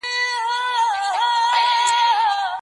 پيل کي وعظ او نصيحت ورته کول دي.